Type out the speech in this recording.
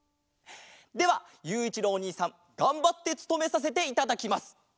ではゆういちろうおにいさんがんばってつとめさせていただきます！